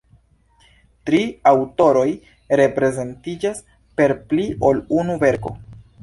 Tri aŭtoroj reprezentiĝas per pli ol unu verko.